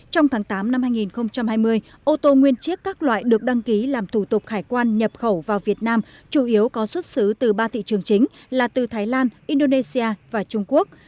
trong tháng tám năm hai nghìn hai mươi ô tô nguyên chiếc các loại được đăng ký làm thủ tục hải quan nhập khẩu vào việt nam chủ yếu có xuất xứ từ ba thị trường chính là từ thái lan indonesia và trung quốc